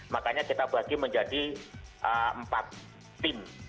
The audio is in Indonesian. makanya kita bagi menjadi empat tim